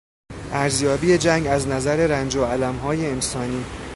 ارزیابی جنگ از نظر رنج و المهای انسانی